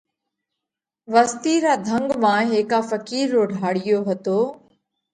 وستِي را ڌنڳ مانه هيڪا ڦقِير رو ڍاۯِيو هتو۔